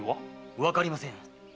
わかりません。